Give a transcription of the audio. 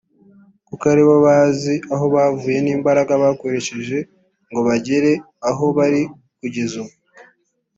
kuko aribo bazi aho bavuye n’imbaraga bakoresheje ngo bagere aho bari kugeza ubu